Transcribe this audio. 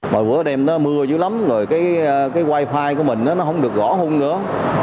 một bữa đêm mưa dữ lắm rồi cái wifi của mình nó không được gõ hung nữa